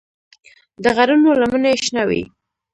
د غرونو لمنې شنه وې.